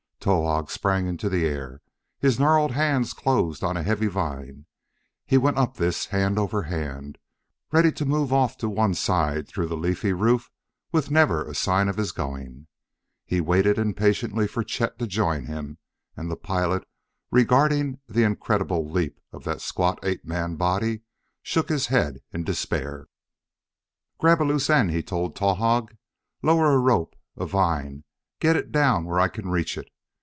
Towahg sprang into the air; his gnarled hands closed on a heavy vine: he went up this hand over hand, ready to move off to one side through the leafy roof with never a sign of his going. He waited impatiently for Chet to join him, and the pilot, regarding the incredible leap of that squat ape man body, shook his head in despair. "Grab a loose end," he told Towahg. "Lower a rope a vine. Get it down where I can reach it!"